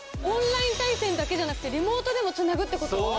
オンライン対戦だけじゃなくてリモートでもつなぐってこと？